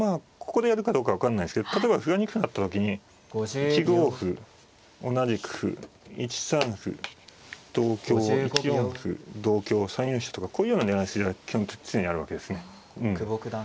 ここでやるかどうか分かんないですけど例えば歩が２歩あった時に１五歩同じく歩１三歩同香１四歩同香３四飛車とかこういうような狙い筋は基本的に常にあるわけですね。